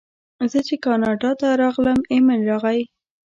زه چې کاناډا ته راغلم ایمېل راغی.